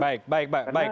baik baik baik